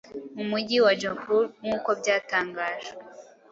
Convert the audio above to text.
mu Mujyi wa Jodhpur nk’uko byatangajwe